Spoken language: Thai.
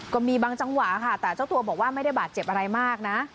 ก็มีบางจังหวะค่ะแต่เจ้าตัวบอกว่าไม่ได้บาดเจ็บอะไรมากนะ